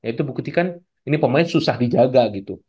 itu buktikan ini pemain susah dijaga gitu